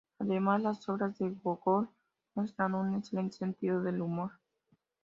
Además, las obras de Gógol muestran un excelente sentido del humor.